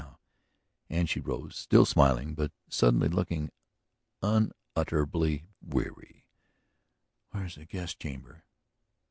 Now," and she rose, still smiling, but suddenly looking unutterably weary, "where is the guest chamber?"